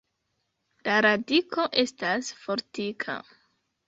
La radiko estas fortika.